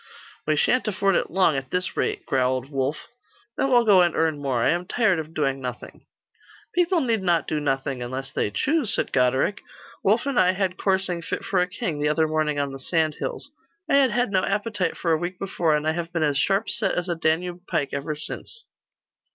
'We shan't afford it long, at this rate,' growled Wulf. 'Then we'll go and earn more. I am tired of doing nothing.' 'People need not do nothing, unless they choose,' said Goderic. 'Wulf and I had coursing fit for a king, the other morning on the sand hills. I had had no appetite for a week before, and I have been as sharp set as a Danube pike ever since.